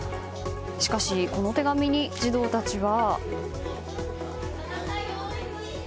しかし、この手紙に児童たちは。